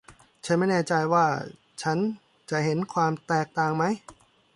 ฉันไม่แน่ใจว่าฉันจะเห็นความแตกต่างมั้ย